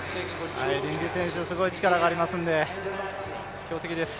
リンジー選手もすごい力がありますんで、強敵です。